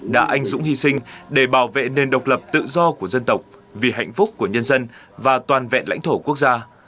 đã anh dũng hy sinh để bảo vệ nền độc lập tự do của dân tộc vì hạnh phúc của nhân dân và toàn vẹn lãnh thổ quốc gia